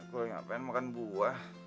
aku ingin apaan makan buah